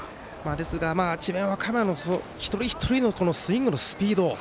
ですが、智弁和歌山の一人一人のスイングのスピード。